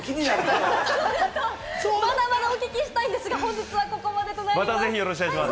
まだまだお聞きしたいんですが本日はここまでとなります。